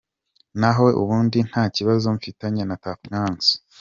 Na ho ubindi nta kibazo mfitanye na Tuff Gang.